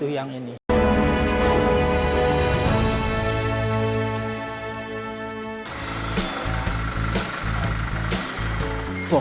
yayasan untuk mendekati tempat maju